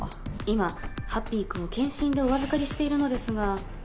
今ハッピーくんを検診でお預かりしているのですが。